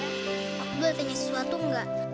aku boleh tanya sesuatu gak